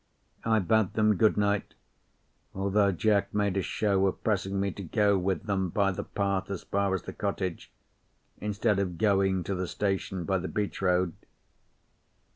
I bade them good night, although Jack made a show of pressing me to go with them by the path as far as the cottage, instead of going to the station by the beach road.